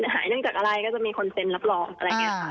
หายเนื่องจากอะไรก็จะมีคนเซ็นรับรองอะไรอย่างนี้ค่ะ